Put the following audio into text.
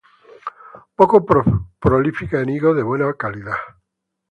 Poco prolífica en higos de buena calidad.